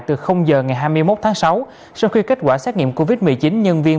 từ giờ ngày hai mươi một tháng sáu sau khi kết quả xét nghiệm covid một mươi chín nhân viên